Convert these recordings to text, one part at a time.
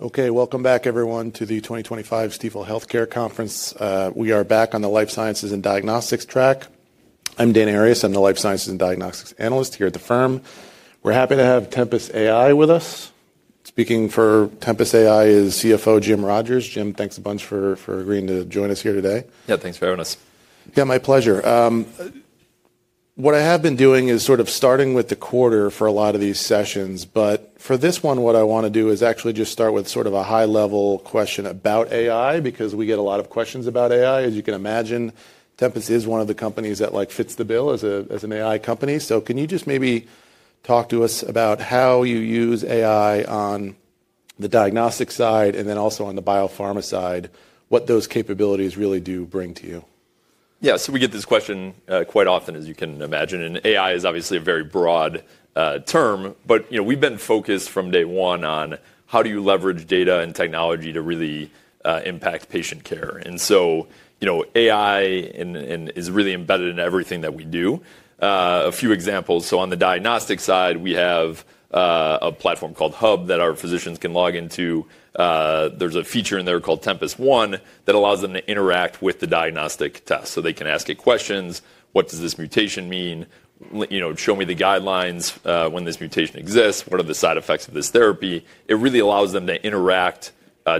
Okay, welcome back, everyone, to the 2025 Stifel Healthcare Conference. We are back on the Life Sciences and Diagnostics track. I'm Dan Arias. I'm the Life Sciences and Diagnostics Analyst here at the firm. We're happy to have Tempus AI with us. Speaking for Tempus AI is CFO Jim Rogers. Jim, thanks a bunch for agreeing to join us here today. Yeah, thanks for having us. Yeah, my pleasure. What I have been doing is sort of starting with the quarter for a lot of these sessions, but for this one, what I want to do is actually just start with sort of a high-level question about AI, because we get a lot of questions about AI. As you can imagine, Tempus is one of the companies that, like, fits the bill as a, as an AI company. So can you just maybe talk to us about how you use AI on the diagnostic side and then also on the biopharma side, what those capabilities really do bring to you? Yeah, so we get this question quite often, as you can imagine. And AI is obviously a very broad term, but, you know, we've been focused from day one on how do you leverage data and technology to really impact patient care. And so, you know, AI is really embedded in everything that we do. A few examples. On the diagnostic side, we have a platform called Hub that our physicians can log into. There's a feature in there called Tempus One that allows them to interact with the diagnostic test. They can ask it questions. What does this mutation mean? You know, show me the guidelines when this mutation exists. What are the side effects of this therapy? It really allows them to interact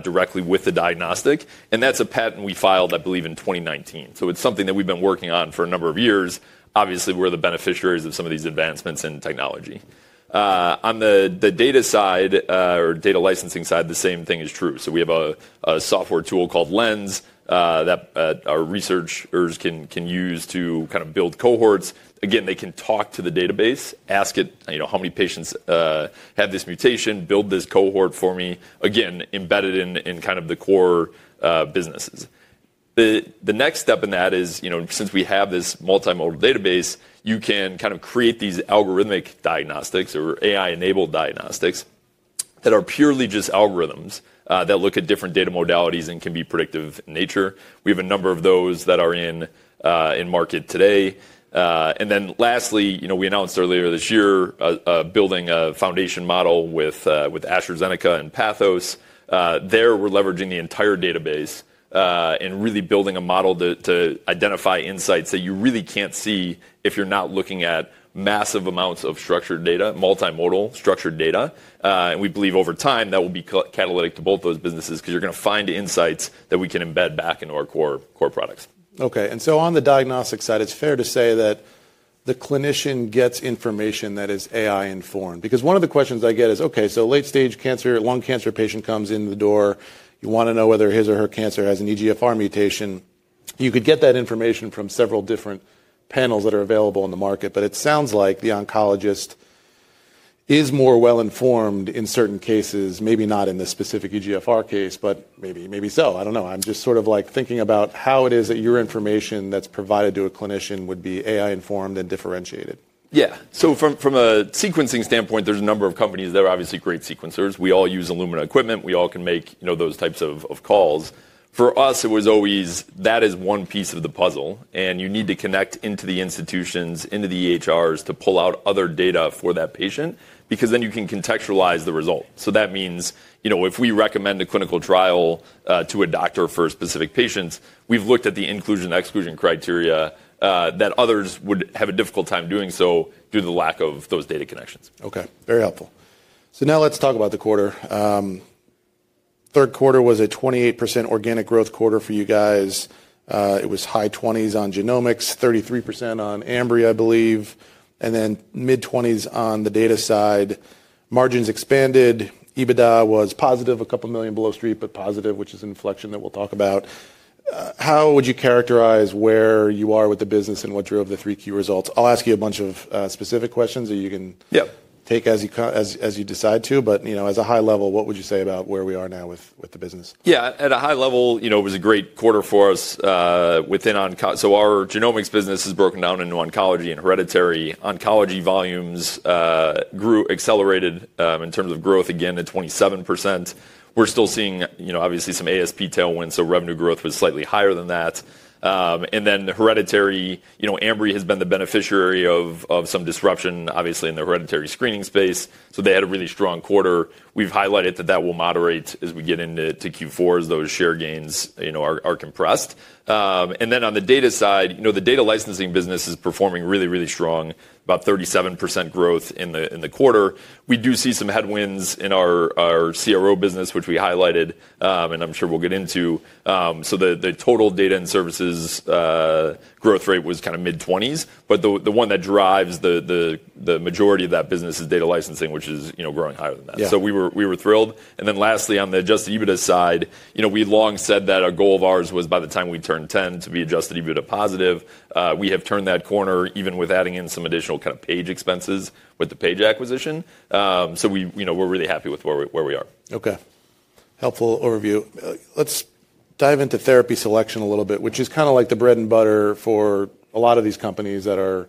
directly with the diagnostic. And that's a patent we filed, I believe, in 2019. It's something that we've been working on for a number of years. Obviously, we're the beneficiaries of some of these advancements in technology. On the data side, or data licensing side, the same thing is true. We have a software tool called Lens that our researchers can use to kind of build cohorts. Again, they can talk to the database, ask it, you know, how many patients have this mutation, build this cohort for me. Again, embedded in kind of the core businesses. The next step in that is, you know, since we have this multimodal database, you can kind of create these algorithmic diagnostics or AI-enabled diagnostics that are purely just algorithms that look at different data modalities and can be predictive in nature. We have a number of those that are in market today. and then lastly, you know, we announced earlier this year, building a foundation model with, with AstraZeneca and Pathos. There we're leveraging the entire database, and really building a model to, to identify insights that you really can't see if you're not looking at massive amounts of structured data, multimodal structured data. And we believe over time that will be catalytic to both those businesses because you're going to find insights that we can embed back into our core, core products. Okay. On the diagnostic side, it's fair to say that the clinician gets information that is AI-informed. Because one of the questions I get is, okay, late-stage cancer, lung cancer patient comes in the door. You want to know whether his or her cancer has an EGFR mutation. You could get that information from several different panels that are available in the market, but it sounds like the oncologist is more well-informed in certain cases, maybe not in the specific EGFR case, but maybe, maybe so. I don't know. I'm just sort of like thinking about how it is that your information that's provided to a clinician would be AI-informed and differentiated. Yeah. From a sequencing standpoint, there's a number of companies that are obviously great sequencers. We all use Illumina equipment. We all can make, you know, those types of calls. For us, it was always that is one piece of the puzzle, and you need to connect into the institutions, into the EHRs to pull out other data for that patient because then you can contextualize the result. That means, you know, if we recommend a clinical trial to a doctor for specific patients, we've looked at the inclusion/exclusion criteria, that others would have a difficult time doing so due to the lack of those data connections. Okay. Very helpful. Now let's talk about the quarter. Third quarter was a 28% organic growth quarter for you guys. It was high 20s on genomics, 33% on Ambry, I believe, and then mid-20s on the data side. Margins expanded. EBITDA was positive, a couple million below street, but positive, which is an inflection that we'll talk about. How would you characterize where you are with the business and what you're of the three key results? I'll ask you a bunch of specific questions that you can. Yep. Take as you decide to. You know, as a high level, what would you say about where we are now with the business? Yeah, at a high level, you know, it was a great quarter for us, within onc. So our genomics business is broken down into oncology and hereditary. Oncology volumes grew, accelerated, in terms of growth again at 27%. We're still seeing, you know, obviously some ASP tailwinds, so revenue growth was slightly higher than that. And then hereditary, you know, Ambry has been the beneficiary of some disruption, obviously in the hereditary screening space. So they had a really strong quarter. We've highlighted that that will moderate as we get into Q4 as those share gains, you know, are compressed. And then on the data side, you know, the data licensing business is performing really, really strong, about 37% growth in the quarter. We do see some headwinds in our CRO business, which we highlighted, and I'm sure we'll get into. The total data and services growth rate was kind of mid-20s, but the one that drives the majority of that business is data licensing, which is, you know, growing higher than that. We were thrilled. Lastly, on the adjusted EBITDA side, you know, we long said that a goal of ours was by the time we turned 10 to be adjusted EBITDA positive. We have turned that corner even with adding in some additional kind of page expenses with the page acquisition. We, you know, we're really happy with where we are. Okay. Helpful overview. Let's dive into therapy selection a little bit, which is kind of like the bread and butter for a lot of these companies that are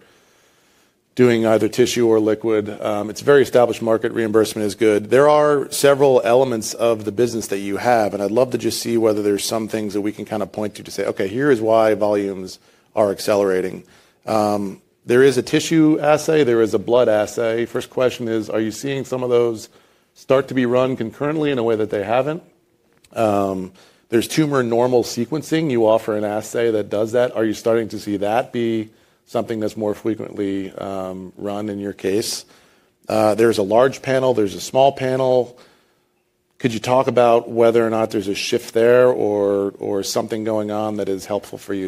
doing either tissue or liquid. It's a very established market. Reimbursement is good. There are several elements of the business that you have, and I'd love to just see whether there's some things that we can kind of point to, to say, okay, here is why volumes are accelerating. There is a tissue assay, there is a blood assay. First question is, are you seeing some of those start to be run concurrently in a way that they haven't? There's tumor normal sequencing. You offer an assay that does that. Are you starting to see that be something that's more frequently run in your case? There's a large panel, there's a small panel. Could you talk about whether or not there's a shift there or something going on that is helpful for you?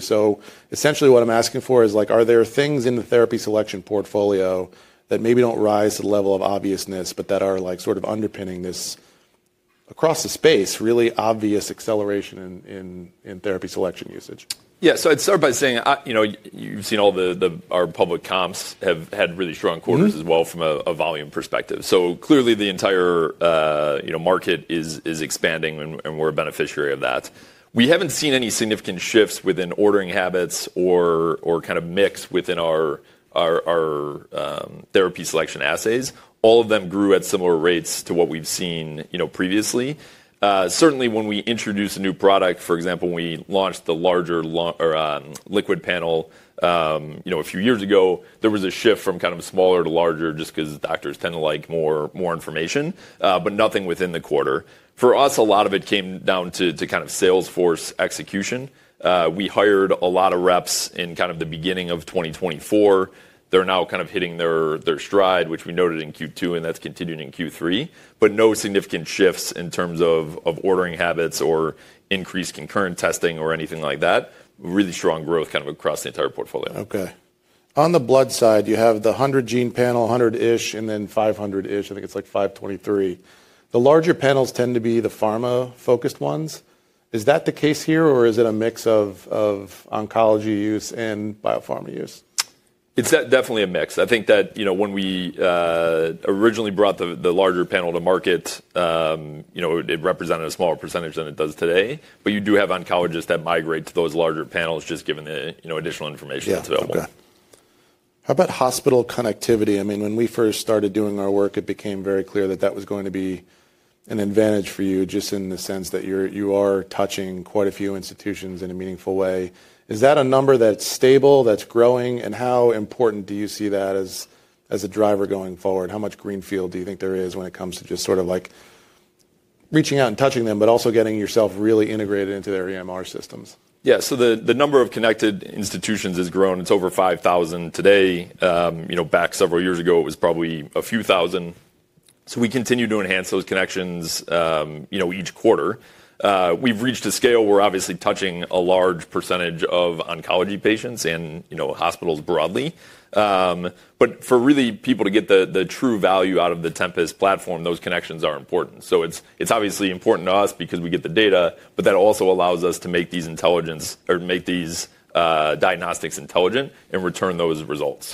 Essentially what I'm asking for is like, are there things in the therapy selection portfolio that maybe don't rise to the level of obviousness, but that are like sort of underpinning this across the space, really obvious acceleration in therapy selection usage? Yeah. I'd start by saying, you know, you've seen all the, our public comps have had really strong quarters as well from a volume perspective. Clearly the entire, you know, market is expanding and we're a beneficiary of that. We haven't seen any significant shifts within ordering habits or kind of mix within our therapy selection assays. All of them grew at similar rates to what we've seen previously. Certainly when we introduced a new product, for example, when we launched the larger liquid panel, you know, a few years ago, there was a shift from kind of smaller to larger just because doctors tend to like more information, but nothing within the quarter. For us, a lot of it came down to kind of Salesforce execution. We hired a lot of reps in kind of the beginning of 2024. They're now kind of hitting their stride, which we noted in Q2 and that's continued in Q3, but no significant shifts in terms of ordering habits or increased concurrent testing or anything like that. Really strong growth kind of across the entire portfolio. Okay. On the blood side, you have the 100 gene panel, 100-ish, and then 500-ish. I think it's like 523. The larger panels tend to be the pharma-focused ones. Is that the case here or is it a mix of oncology use and biopharma use? It's definitely a mix. I think that, you know, when we originally brought the larger panel to market, you know, it represented a smaller percentage than it does today, but you do have oncologists that migrate to those larger panels just given the, you know, additional information that's available. Yeah. Okay. How about hospital connectivity? I mean, when we first started doing our work, it became very clear that that was going to be an advantage for you just in the sense that you are touching quite a few institutions in a meaningful way. Is that a number that's stable, that's growing? And how important do you see that as a driver going forward? How much greenfield do you think there is when it comes to just sort of like reaching out and touching them, but also getting yourself really integrated into their EMR systems? Yeah. The number of connected institutions has grown. It's over 5,000 today. You know, back several years ago, it was probably a few thousand. We continue to enhance those connections, you know, each quarter. We've reached a scale where obviously touching a large percentage of oncology patients and, you know, hospitals broadly. For really people to get the true value out of the Tempus platform, those connections are important. It's obviously important to us because we get the data, but that also allows us to make these diagnostics intelligent and return those results.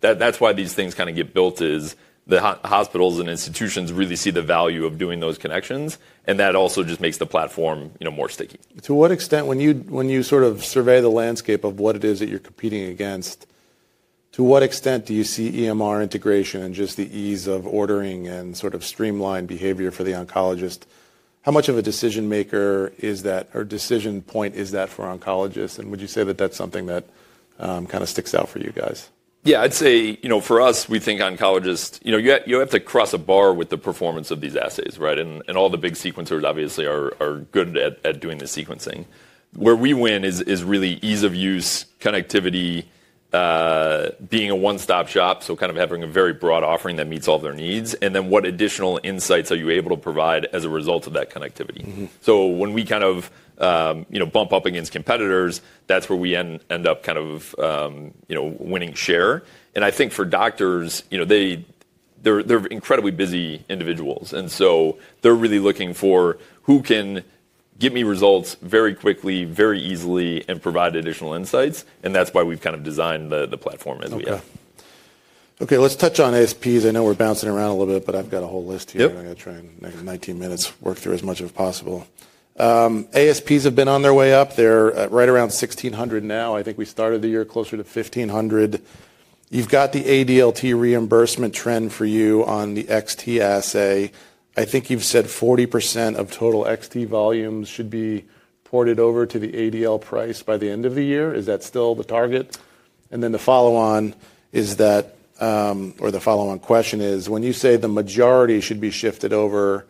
That's why these things kind of get built is the hospitals and institutions really see the value of doing those connections. That also just makes the platform, you know, more sticky. To what extent when you, when you sort of survey the landscape of what it is that you're competing against, to what extent do you see EMR integration and just the ease of ordering and sort of streamlined behavior for the oncologist? How much of a decision maker is that or decision point is that for oncologists? Would you say that that's something that kind of sticks out for you guys? Yeah, I'd say, you know, for us, we think oncologists, you know, you have to cross a bar with the performance of these assays, right? All the big sequencers obviously are good at doing the sequencing. Where we win is really ease of use, connectivity, being a one-stop shop. Kind of having a very broad offering that meets all their needs. What additional insights are you able to provide as a result of that connectivity? When we kind of, you know, bump up against competitors, that's where we end up kind of, you know, winning share. I think for doctors, you know, they're incredibly busy individuals. They're really looking for who can give me results very quickly, very easily, and provide additional insights. That's why we've kind of designed the platform as we have. Okay. Okay. Let's touch on ASPs. I know we're bouncing around a little bit, but I've got a whole list here. I'm going to try and, in 19 minutes, work through as much as possible. ASPs have been on their way up. They're right around $1,600 now. I think we started the year closer to $1,500. You've got the ADLT reimbursement trend for you on the xT assay. I think you've said 40% of total xT volumes should be ported over to the ADLT price by the end of the year. Is that still the target? The follow-on is that, or the follow-on question is when you say the majority should be shifted over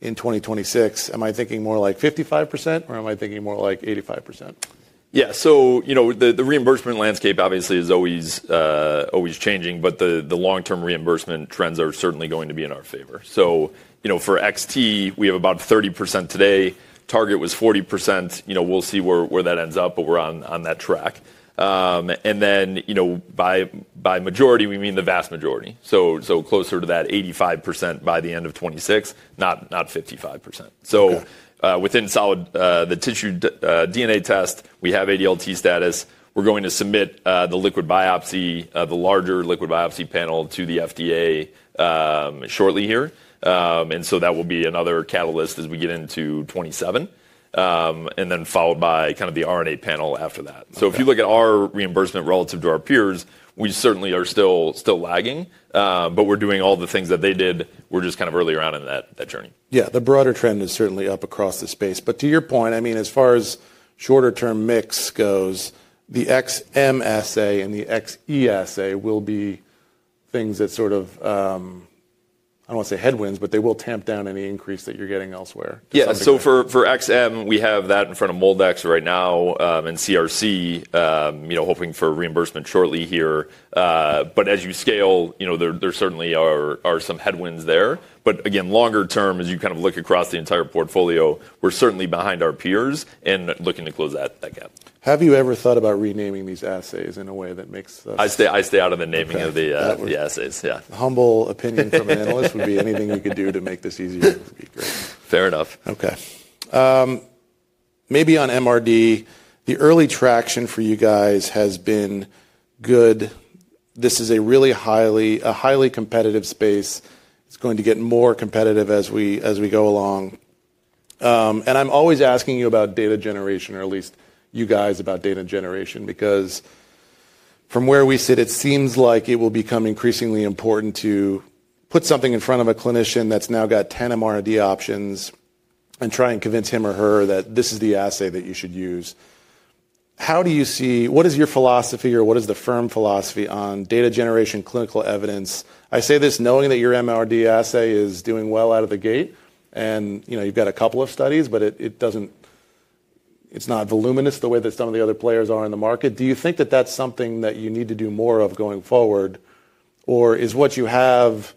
in 2026, am I thinking more like 55% or am I thinking more like 85%? Yeah. So, you know, the reimbursement landscape obviously is always changing, but the long-term reimbursement trends are certainly going to be in our favor. So, you know, for xT, we have about 30% today. Target was 40%. You know, we'll see where that ends up, but we're on that track. And then, you know, by majority, we mean the vast majority. So, closer to that 85% by the end of 2026, not 55%. So, within solid, the tissue DNA test, we have ADLT status. We're going to submit the liquid biopsy, the larger liquid biopsy panel to the FDA shortly here. And so that will be another catalyst as we get into 2027, and then followed by kind of the RNA panel after that. If you look at our reimbursement relative to our peers, we certainly are still lagging, but we're doing all the things that they did. We're just kind of early on in that journey. Yeah. The broader trend is certainly up across the space. To your point, I mean, as far as shorter-term mix goes, the xM Assay and the xE Assay will be things that sort of, I do not want to say headwinds, but they will tamp down any increase that you are getting elsewhere. Yeah. For xM, we have that in front of MolDx right now, and CRC, you know, hoping for reimbursement shortly here. As you scale, you know, there certainly are some headwinds there. Again, longer term, as you kind of look across the entire portfolio, we're certainly behind our peers and looking to close that gap. Have you ever thought about renaming these assays in a way that makes the. I stay out of the naming of the assays. Yeah. Humble opinion from an analyst would be anything you could do to make this easier would be great. Fair enough. Okay. Maybe on MRD, the early traction for you guys has been good. This is a really highly, a highly competitive space. It's going to get more competitive as we go along. I'm always asking you about data generation, or at least you guys about data generation, because from where we sit, it seems like it will become increasingly important to put something in front of a clinician that's now got 10 MRD options and try and convince him or her that this is the assay that you should use. How do you see, what is your philosophy or what is the firm philosophy on data generation clinical evidence? I say this knowing that your MRD assay is doing well out of the gate and, you know, you've got a couple of studies, but it doesn't, it's not voluminous the way that some of the other players are in the market. Do you think that that's something that you need to do more of going forward or is what you have,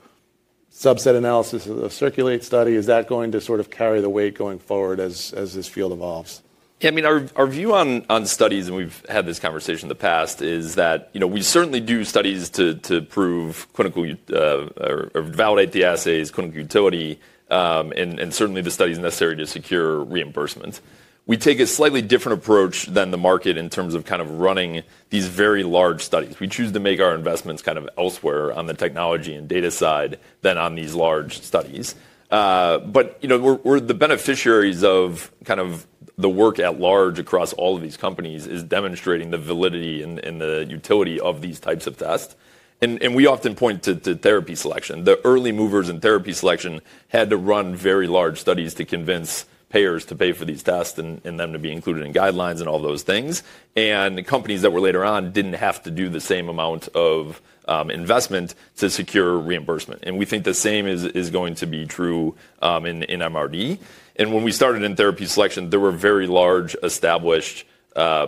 subset analysis of the circulate study, is that going to sort of carry the weight going forward as this field evolves? Yeah. I mean, our view on studies, and we've had this conversation in the past, is that, you know, we certainly do studies to prove clinical, or validate the assays, clinical utility, and certainly the studies necessary to secure reimbursement. We take a slightly different approach than the market in terms of kind of running these very large studies. We choose to make our investments kind of elsewhere on the technology and data side than on these large studies. You know, we're the beneficiaries of kind of the work at large across all of these companies demonstrating the validity and the utility of these types of tests. And we often point to therapy selection. The early movers in therapy selection had to run very large studies to convince payers to pay for these tests and them to be included in guidelines and all those things. Companies that were later on didn't have to do the same amount of investment to secure reimbursement. We think the same is going to be true in MRD. When we started in therapy selection, there were very large established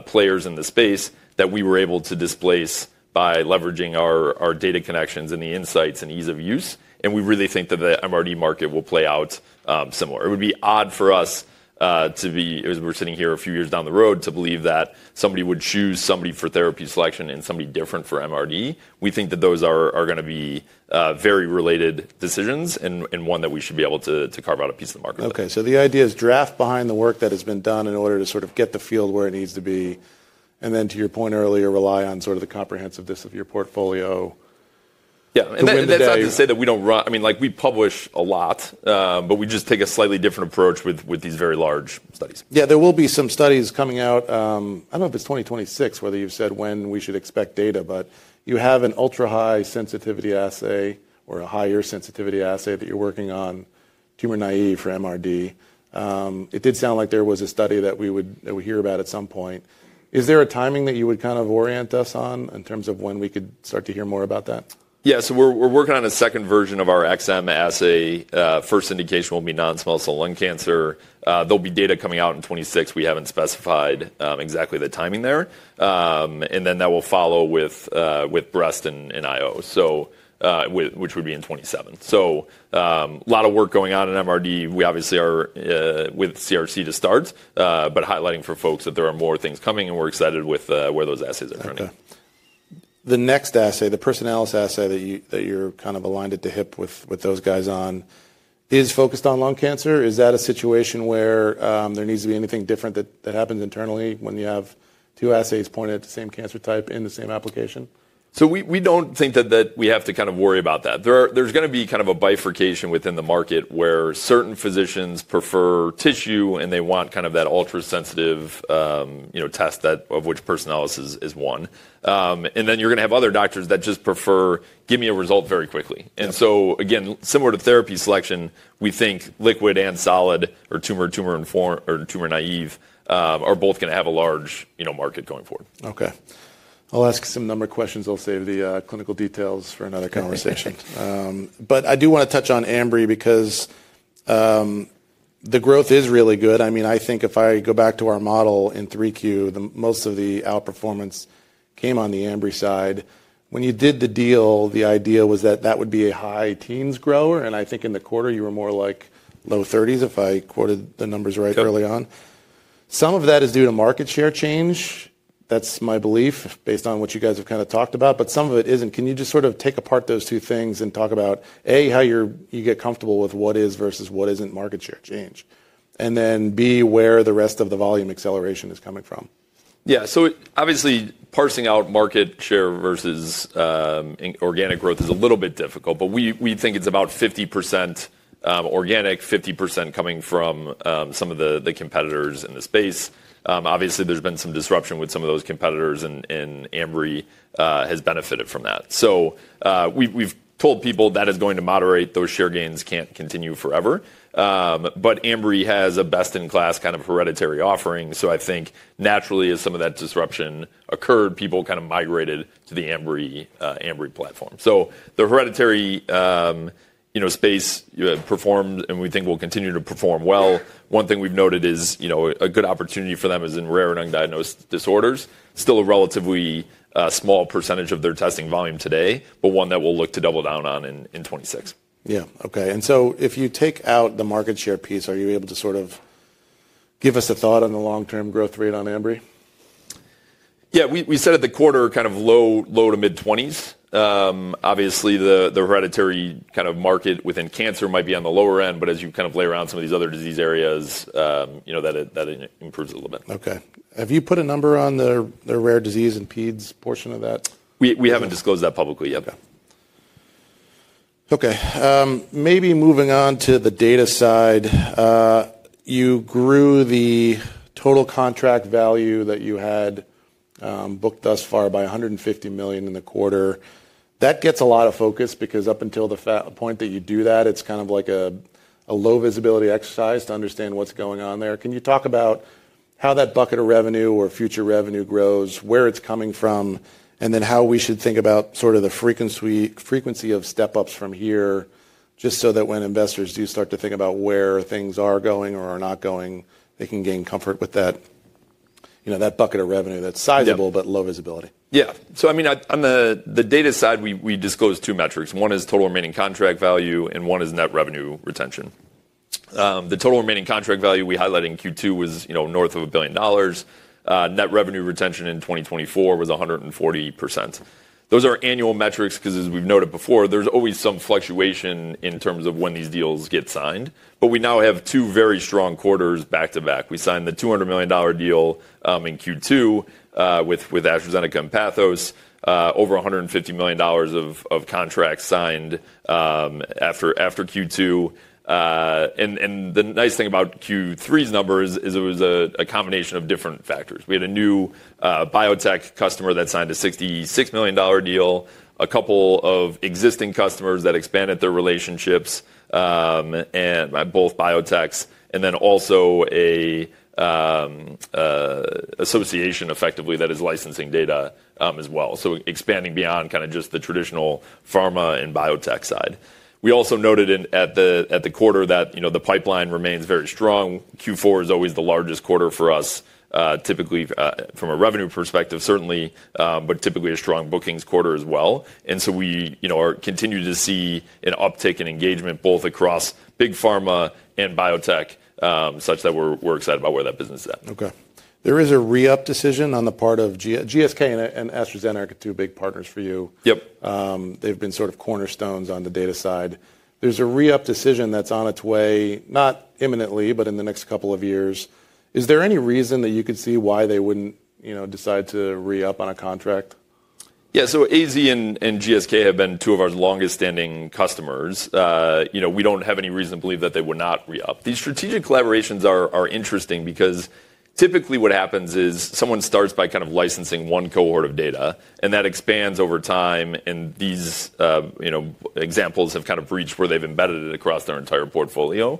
players in the space that we were able to displace by leveraging our data connections and the insights and ease of use. We really think that the MRD market will play out similar. It would be odd for us, as we're sitting here a few years down the road, to believe that somebody would choose somebody for therapy selection and somebody different for MRD. We think that those are going to be very related decisions and one that we should be able to carve out a piece of the market. Okay. The idea is draft behind the work that has been done in order to sort of get the field where it needs to be. And then to your point earlier, rely on sort of the comprehensiveness of your portfolio. Yeah. That is not to say that we do not run, I mean, like we publish a lot, but we just take a slightly different approach with, with these very large studies. Yeah. There will be some studies coming out, I don't know if it's 2026, whether you've said when we should expect data, but you have an ultra high sensitivity assay or a higher sensitivity assay that you're working on, tumor naive for MRD. It did sound like there was a study that we would, that we hear about at some point. Is there a timing that you would kind of orient us on in terms of when we could start to hear more about that? Yeah. So we're working on a second version of our xM Assay. First indication will be non-small cell lung cancer. There will be data coming out in 2026. We haven't specified exactly the timing there. That will follow with breast and IO, which would be in 2027. A lot of work going on in MRD. We obviously are with CRC to start, but highlighting for folks that there are more things coming and we're excited with where those assays are turning. Okay. The next assay, the Personalis assay that you, that you're kind of aligned at the hip with, with those guys on, is focused on lung cancer. Is that a situation where there needs to be anything different that happens internally when you have two assays pointed at the same cancer type in the same application? We do not think that we have to kind of worry about that. There is going to be kind of a bifurcation within the market where certain physicians prefer tissue and they want kind of that ultra sensitive, you know, test, of which Personalis is one. Then you are going to have other doctors that just prefer, give me a result very quickly. Again, similar to therapy selection, we think liquid and solid or tumor, tumor informed or tumor naive, are both going to have a large, you know, market going forward. Okay. I'll ask some number of questions. I'll save the, clinical details for another conversation. I do want to touch on AMRI because, the growth is really good. I mean, I think if I go back to our model in three Q, most of the outperformance came on the AMRI side. When you did the deal, the idea was that that would be a high teens grower. I think in the quarter you were more like low thirties if I quoted the numbers right early on. Some of that is due to market share change. That's my belief based on what you guys have kind of talked about, but some of it isn't. Can you just sort of take apart those two things and talk about A, how you're, you get comfortable with what is versus what isn't market share change? Where the rest of the volume acceleration is coming from? Yeah. Obviously parsing out market share versus organic growth is a little bit difficult, but we think it's about 50% organic, 50% coming from some of the competitors in the space. Obviously there's been some disruption with some of those competitors and Ambry Genetics has benefited from that. We've told people that is going to moderate, those share gains can't continue forever. Ambry Genetics has a best-in-class kind of hereditary offering. I think naturally as some of that disruption occurred, people kind of migrated to the Ambry Genetics platform. The hereditary space performed and we think will continue to perform well. One thing we've noted is, you know, a good opportunity for them is in rare and undiagnosed disorders. Still a relatively small percentage of their testing volume today, but one that we'll look to double down on in, in 2026. Yeah. Okay. If you take out the market share piece, are you able to sort of give us a thought on the long-term growth rate on AMRI? Yeah. We said at the quarter kind of low to mid twenties. Obviously, the hereditary kind of market within cancer might be on the lower end, but as you kind of layer on some of these other disease areas, you know, that it improves a little bit. Okay. Have you put a number on the, the rare disease and PEDS portion of that? We haven't disclosed that publicly yet. Okay. Okay. Maybe moving on to the data side, you grew the total contract value that you had booked thus far by $150 million in the quarter. That gets a lot of focus because up until the point that you do that, it's kind of like a low visibility exercise to understand what's going on there. Can you talk about how that bucket of revenue or future revenue grows, where it's coming from, and then how we should think about sort of the frequency of step-ups from here just so that when investors do start to think about where things are going or are not going, they can gain comfort with that, you know, that bucket of revenue that's sizable but low visibility? Yeah. So I mean, on the data side, we disclose two metrics. One is total remaining contract value and one is net revenue retention. The total remaining contract value we highlighted in Q2 was, you know, north of $1 billion. Net revenue retention in 2024 was 140%. Those are annual metrics because as we've noted before, there's always some fluctuation in terms of when these deals get signed, but we now have two very strong quarters back to back. We signed the $200 million deal in Q2 with AstraZeneca and Pathos, over $150 million of contracts signed after Q2. The nice thing about Q3's numbers is it was a combination of different factors. We had a new, biotech customer that signed a $66 million deal, a couple of existing customers that expanded their relationships, and by both biotechs, and then also an association effectively that is licensing data, as well. Expanding beyond kind of just the traditional pharma and biotech side. We also noted at the quarter that, you know, the pipeline remains very strong. Q4 is always the largest quarter for us, typically, from a revenue perspective, certainly, but typically a strong bookings quarter as well. We, you know, continue to see an uptick in engagement both across big pharma and biotech, such that we're excited about where that business is at. Okay. There is a re-up decision on the part of GSK and AstraZeneca, two big partners for you. Yep. they've been sort of cornerstones on the data side. There's a re-up decision that's on its way, not imminently, but in the next couple of years. Is there any reason that you could see why they wouldn't, you know, decide to re-up on a contract? Yeah. AZ and GSK have been two of our longest standing customers. You know, we don't have any reason to believe that they would not re-up. These strategic collaborations are interesting because typically what happens is someone starts by kind of licensing one cohort of data and that expands over time. These examples have kind of reached where they've embedded it across their entire portfolio.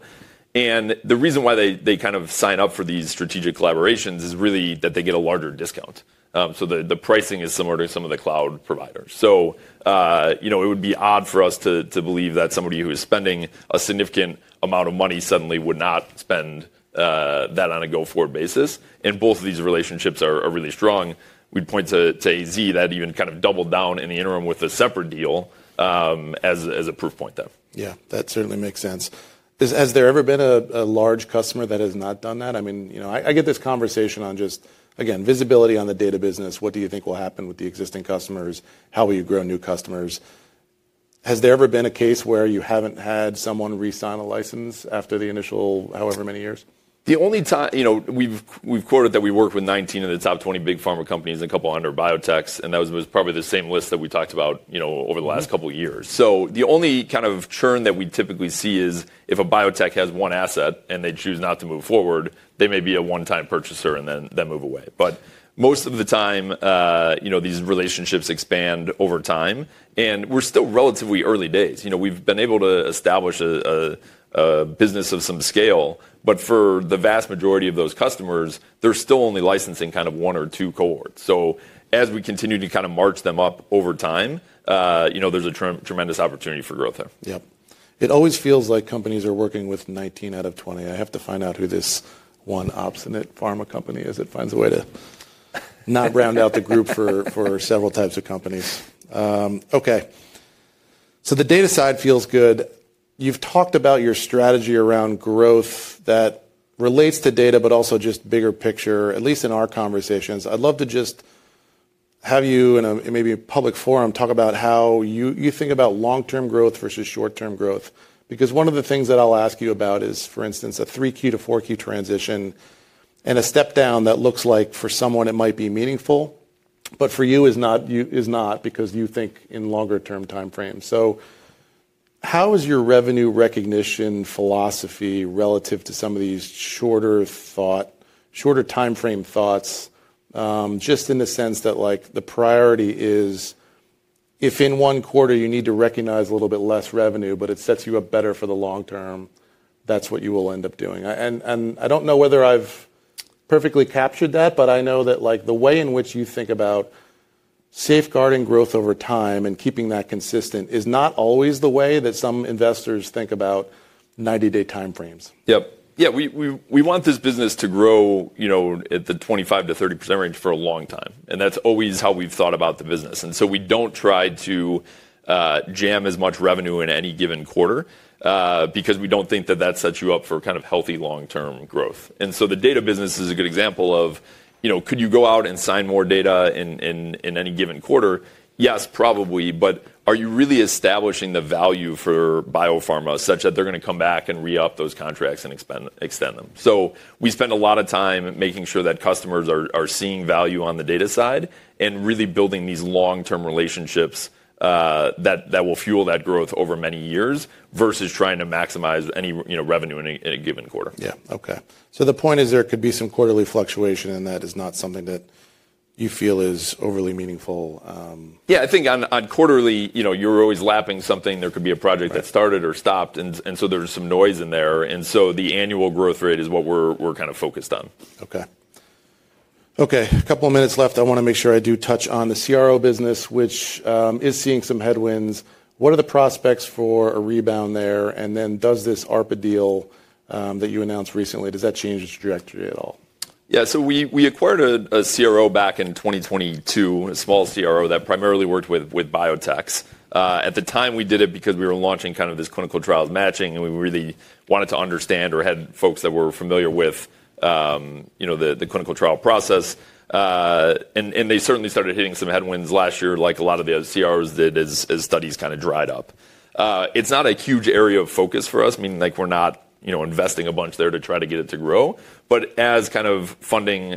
The reason why they kind of sign up for these strategic collaborations is really that they get a larger discount. The pricing is similar to some of the cloud providers. You know, it would be odd for us to believe that somebody who is spending a significant amount of money suddenly would not spend that on a go-forward basis. Both of these relationships are really strong. We'd point to AZ that even kind of doubled down in the interim with a separate deal, as a proof point there. Yeah. That certainly makes sense. Has there ever been a large customer that has not done that? I mean, you know, I get this conversation on just, again, visibility on the data business. What do you think will happen with the existing customers? How will you grow new customers? Has there ever been a case where you haven't had someone re-sign a license after the initial, however many years? The only time, you know, we've quoted that we worked with 19 of the top 20 big pharma companies and a couple under biotechs. That was probably the same list that we talked about, you know, over the last couple of years. The only kind of churn that we typically see is if a biotech has one asset and they choose not to move forward, they may be a one-time purchaser and then move away. Most of the time, you know, these relationships expand over time and we're still relatively early days. You know, we've been able to establish a business of some scale, but for the vast majority of those customers, they're still only licensing kind of one or two cohorts. As we continue to kind of march them up over time, you know, there's a tremendous opportunity for growth there. Yep. It always feels like companies are working with 19 out of 20. I have to find out who this one obstinate pharma company is that finds a way to not round out the group for several types of companies. Okay. So the data side feels good. You've talked about your strategy around growth that relates to data, but also just bigger picture, at least in our conversations. I'd love to just have you in a, maybe a public forum talk about how you think about long-term growth versus short-term growth. Because one of the things that I'll ask you about is, for instance, a three Q to four Q transition and a step down that looks like for someone it might be meaningful, but for you is not, because you think in longer term timeframe. How is your revenue recognition philosophy relative to some of these shorter thought, shorter timeframe thoughts, just in the sense that like the priority is if in one quarter you need to recognize a little bit less revenue, but it sets you up better for the long term, that's what you will end up doing. I don't know whether I've perfectly captured that, but I know that like the way in which you think about safeguarding growth over time and keeping that consistent is not always the way that some investors think about 90-day timeframes. Yep. Yeah. We want this business to grow, you know, at the 25-30% range for a long time. And that's always how we've thought about the business. We do not try to jam as much revenue in any given quarter, because we do not think that that sets you up for kind of healthy long-term growth. The data business is a good example of, you know, could you go out and sign more data in any given quarter? Yes, probably. Are you really establishing the value for biopharma such that they're going to come back and re-up those contracts and extend them? We spend a lot of time making sure that customers are seeing value on the data side and really building these long-term relationships that will fuel that growth over many years versus trying to maximize any, you know, revenue in a given quarter. Yeah. Okay. So the point is there could be some quarterly fluctuation and that is not something that you feel is overly meaningful. Yeah. I think on, on quarterly, you know, you're always lapping something. There could be a project that started or stopped, and so there's some noise in there. And so the annual growth rate is what we're, we're kind of focused on. Okay. Okay. A couple of minutes left. I want to make sure I do touch on the CRO business, which is seeing some headwinds. What are the prospects for a rebound there? Does this ARPA deal that you announced recently, does that change its trajectory at all? Yeah. We acquired a CRO back in 2022, a small CRO that primarily worked with biotechs. At the time we did it because we were launching kind of this clinical trials matching and we really wanted to understand or had folks that were familiar with, you know, the clinical trial process. They certainly started hitting some headwinds last year, like a lot of the other CROs did as studies kind of dried up. It's not a huge area of focus for us. I mean, like we're not, you know, investing a bunch there to try to get it to grow. As kind of funding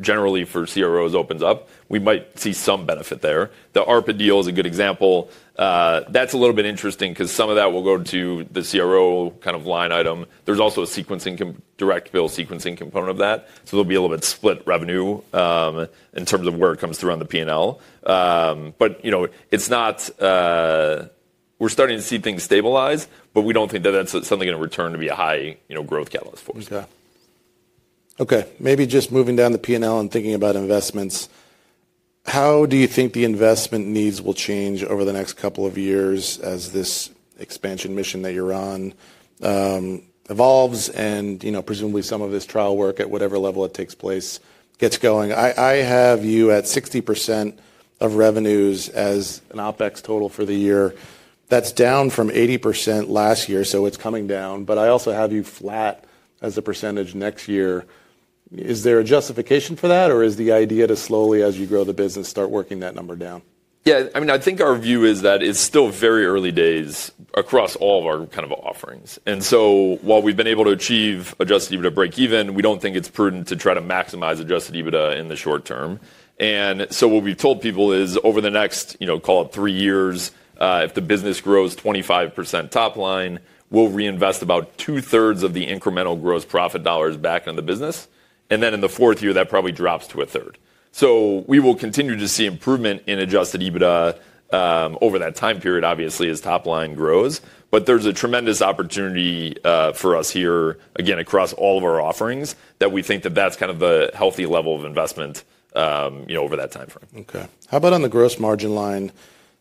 generally for CROs opens up, we might see some benefit there. The ARPA deal is a good example. That's a little bit interesting because some of that will go to the CRO kind of line item. There's also a sequencing direct bill sequencing component of that. So there'll be a little bit split revenue, in terms of where it comes through on the P&L. But you know, it's not, we're starting to see things stabilize, but we don't think that that's something going to return to be a high, you know, growth catalyst for us. Okay. Okay. Maybe just moving down the P&L and thinking about investments, how do you think the investment needs will change over the next couple of years as this expansion mission that you're on evolves and, you know, presumably some of this trial work at whatever level it takes place gets going? I have you at 60% of revenues as an OpEx total for the year. That's down from 80% last year. So it's coming down. I also have you flat as a percentage next year. Is there a justification for that or is the idea to slowly as you grow the business start working that number down? Yeah. I mean, I think our view is that it's still very early days across all of our kind of offerings. And so while we've been able to achieve adjusted EBITDA breakeven, we don't think it's prudent to try to maximize adjusted EBITDA in the short term. And so what we've told people is over the next, you know, call it three years, if the business grows 25% top line, we'll reinvest about two-thirds of the incremental gross profit dollars back in the business. And then in the fourth year, that probably drops to a third. We will continue to see improvement in adjusted EBITDA, over that time period, obviously as top line grows. There is a tremendous opportunity, for us here again, across all of our offerings that we think that that's kind of the healthy level of investment, you know, over that timeframe. Okay. How about on the gross margin line?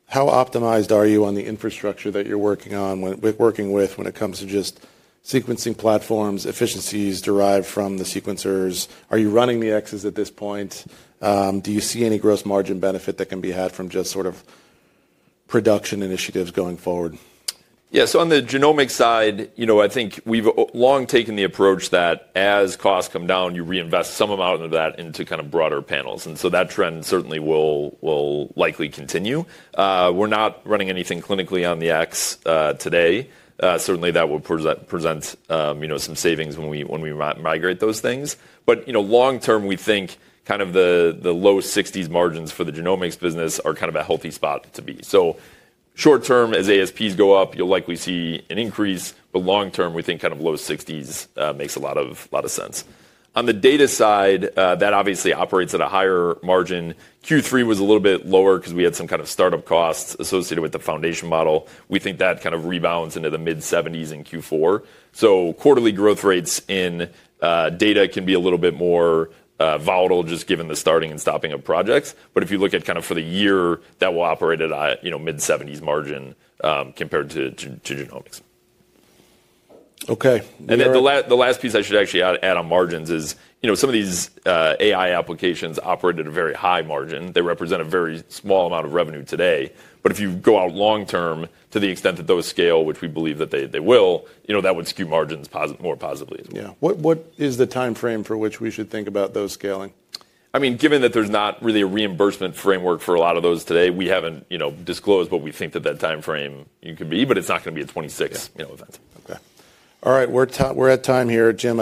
How optimized are you on the infrastructure that you're working on, with working with, when it comes to just sequencing platforms, efficiencies derived from the sequencers? Are you running the x's at this point? Do you see any gross margin benefit that can be had from just sort of production initiatives going forward? Yeah. So on the genomic side, you know, I think we've long taken the approach that as costs come down, you reinvest some amount of that into kind of broader panels. That trend certainly will likely continue. We're not running anything clinically on the xE, today. Certainly that will present, you know, some savings when we migrate those things. But, you know, long term, we think kind of the low 60% margins for the genomics business are kind of a healthy spot to be. Short term, as ASPs go up, you'll likely see an increase. Long term, we think kind of low 60% makes a lot of sense. On the data side, that obviously operates at a higher margin. Q3 was a little bit lower because we had some kind of startup costs associated with the foundation model. We think that kind of rebounds into the mid 70s in Q4. Quarterly growth rates in data can be a little bit more volatile just given the starting and stopping of projects. If you look at kind of for the year, that will operate at a, you know, mid 70s margin, compared to genomics. Okay. The last piece I should actually add on margins is, you know, some of these AI applications operate at a very high margin. They represent a very small amount of revenue today. If you go out long term, to the extent that those scale, which we believe that they will, you know, that would skew margins positive more positively. Yeah. What is the timeframe for which we should think about those scaling? I mean, given that there's not really a reimbursement framework for a lot of those today, we haven't, you know, disclosed what we think that that timeframe could be, but it's not going to be a 2026, you know, event. Okay. All right. We're at time here, Jim.